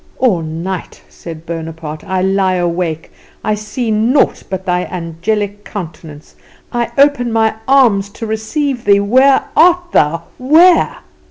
"All night," said Bonaparte, "I lie awake; I see naught but thy angelic countenance. I open my arms to receive thee where art thou, where?